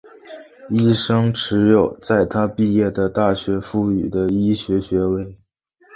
医生持有在他毕业的大学赋予的医学学位。